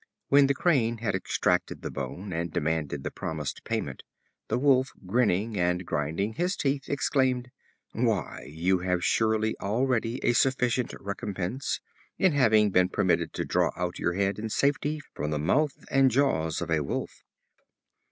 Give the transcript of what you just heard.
When the Crane had extracted the bone, and demanded the promised payment, the Wolf, grinning and grinding his teeth, exclaimed: "Why, you have surely already a sufficient recompense, in having been permitted to draw out your head in safety from the mouth and jaws of a Wolf."